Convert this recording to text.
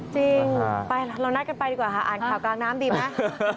จริงไปเรานัดกันไปดีกว่าค่ะอ่านข่าวกลางน้ำดีไหม